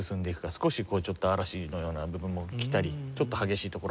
少しこうちょっと嵐のような部分も来たりちょっと激しいところがあったりっていう。